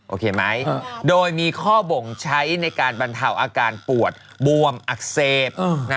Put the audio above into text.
โอเคไหมโดยมีข้อบ่งใช้ในการบรรเทาอาการปวดบวมอักเสบ